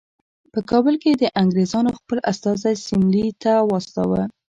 په کابل کې د انګریزانو خپل استازی سیملې ته واستاوه.